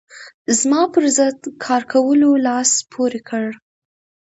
زما پر ضد کار کولو لاس پورې کړ.